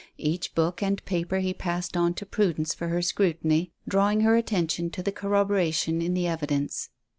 Each book and paper he passed on to Prudence for her scrutiny, drawing her attention to the corroboration in the evidence.